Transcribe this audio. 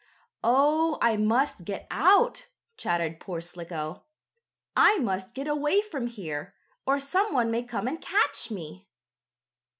"Oh, I must get out!" chattered poor Slicko. "I must get away from here, or some one may come and catch me!"